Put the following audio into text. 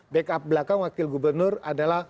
backup belakang wakil gubernur adalah